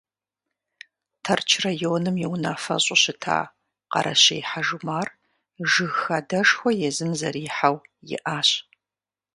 Тэрч районым и унафэщӏу щыта Къэрэщей Хьэжумар жыг хадэшхуэ езым зэрихьэу иӏащ.